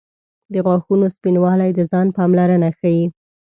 • د غاښونو سپینوالی د ځان پاملرنه ښيي.